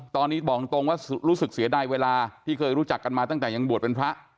ตอนนี้บอกตรงว่ารู้สึกเสียดายเวลาที่เคยรู้จักกันมาตั้งแต่ยังบวชเป็นพระ